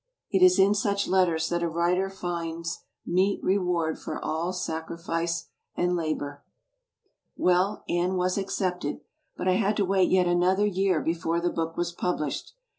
It is in such letters that a writer finds meet reward for all sacrifice and labor. I7«l b, Google Well, Antif was accepted; but I had to wait yet another year before the book was published.